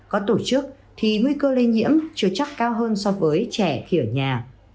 có tổ chức thì nguy cơ lây nhiễm chưa chắc cao hơn so với trẻ khi ở nhà